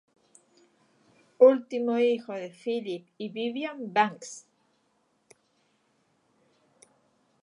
Último hijo de Philip y Vivian Banks.